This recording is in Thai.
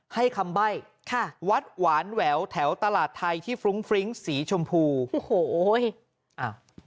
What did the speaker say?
ให้คำใบ้ค่ะวัดหวานแหววแถวตลาดไทยที่ฟรุ้งฟริ้งสีชมพูโอ้โหโอ้ยอ้าว